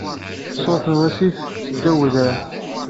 Sut Wasif seddaw udrar.